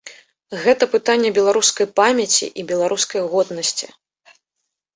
Гэта пытанне беларускай памяці і беларускай годнасці.